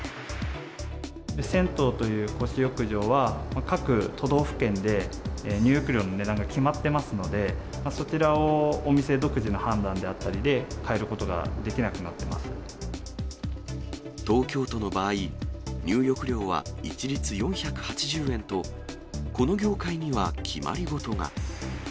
銭湯という公衆浴場は、各都道府県で入浴料の値段が決まってますので、そちらをお店独自の判断であったりで、変えることはできなくなっ東京都の場合、入浴料は一律４８０円と、この業界には決まり事が。